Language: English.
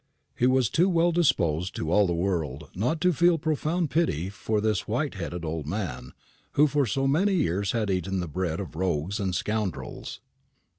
He was too well disposed to all the world not to feel profound pity for this white headed old man, who for so many years had eaten the bread of rogues and scoundrels.